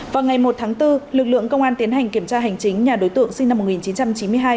vào ngày một tháng bốn lực lượng công an tiến hành kiểm tra hành chính nhà đối tượng sinh năm một nghìn chín trăm chín mươi hai